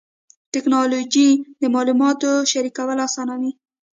ټکنالوجي د معلوماتو شریکول اسانوي.